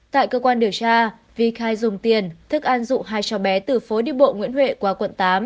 tại cơ quan điều tra vi khai dùng tiền thức ăn dụ hai cháu bé từ phố đi bộ nguyễn huệ qua quận tám